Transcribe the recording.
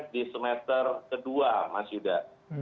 tiga puluh di semester kedua mas yuda